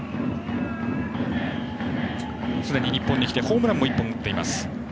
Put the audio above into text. すでに日本に来てホームランも１本打っています。